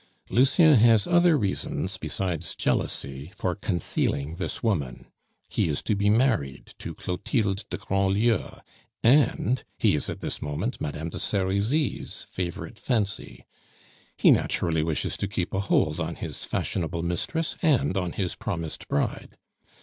"Lucien has other reasons besides jealousy for concealing this woman. He is to be married to Clotilde de Grandlieu, and he is at this moment Madame de Serizy's favorite fancy. He naturally wishes to keep a hold on his fashionable mistress and on his promised bride.